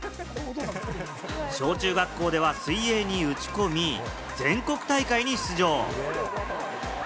小中学校では水泳に打ち込み、全国大会に出場。